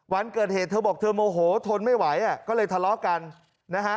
วันเกิดเหตุเธอบอกเธอโมโหทนไม่ไหวอ่ะก็เลยทะเลาะกันนะฮะ